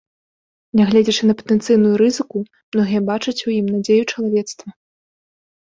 Нягледзячы на патэнцыйную рызыку, многія бачаць у ім надзею чалавецтва.